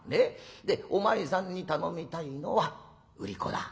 でお前さんに頼みたいのは売り子だ。